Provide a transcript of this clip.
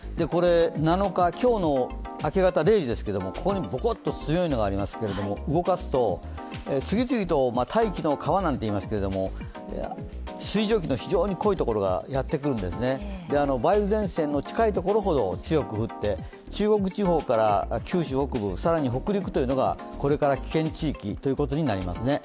７日、今日の明け方０時ですけれどもここにボコッと強いのがありますけど、動かすと、次々と大気の川なんていいますけど、水蒸気の非常に濃いところがやってくるんですね、梅雨前線の近いところほど強く振って、中国地方から九州北部、北陸というのがこれから危険地域となりますね。